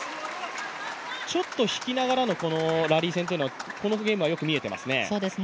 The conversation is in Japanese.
ちょっと引きながらのラリー戦このゲームはよく見えていますね。